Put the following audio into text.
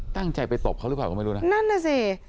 นั่นแหละสิ